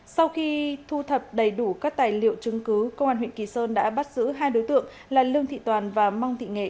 sau khi thu thập đầy đủ các tài liệu chứng cứ công an huyện kỳ sơn đã bắt giữ hai đối tượng là lương thị toàn và mong thị nghệ